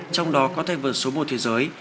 trong đó có thay vật số một thế giới